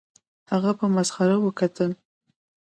هغه په مسخره وکتل